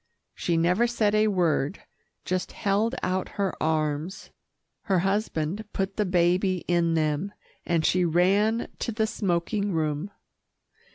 She never said a word, just held out her arms. Her husband put the baby in them, and she ran to the smoking room.